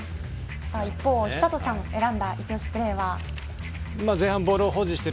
一方、寿人さんが選んだ一押しプレーは？